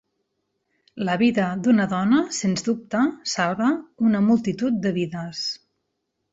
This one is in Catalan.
La vida d'una dona sens dubte salva una multitud de vides.